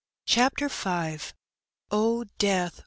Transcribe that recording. CHAPTER V. "oh, death!